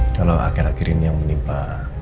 kalau akhir akhir ini yang menimpa